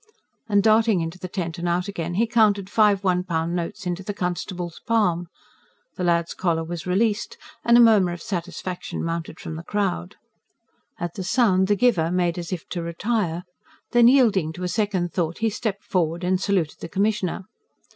And darting into the tent and out again, he counted five one pound notes into the constable's palm. The lad's collar was released; and a murmur of satisfaction mounted from the crowd. At the sound the giver made as if to retire. Then, yielding to a second thought, he stepped forward and saluted the Commissioner.